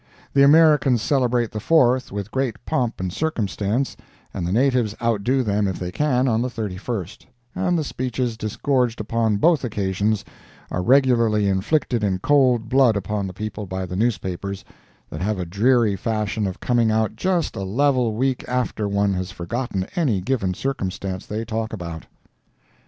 The Americans celebrate the 4th with great pomp and circumstance, and the natives outdo them if they can, on the 31st—and the speeches disgorged upon both occasions are regularly inflicted in cold blood upon the people by the newspapers, that have a dreary fashion of coming out just a level week after one has forgotten any given circumstance they talk about.